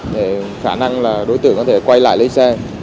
để khả năng là đối tượng có thể quay lại lấy xe